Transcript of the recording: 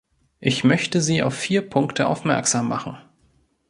Ich möchte Sie auf vier Punkte aufmerksam machen.